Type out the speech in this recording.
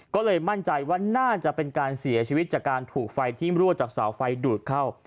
ก็เลยมั่นใจว่าน่าจะเป็นการเสียชีวิตจากการถูกไฟที่มรั่วจากเสาไฟดูดเข้า